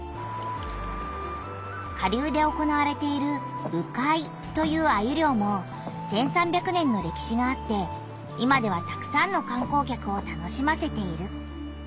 下流で行われている鵜飼いというアユりょうも１，３００年の歴史があって今ではたくさんのかん光客を楽しませている。